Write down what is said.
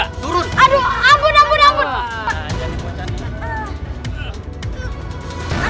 aduh ampun ampun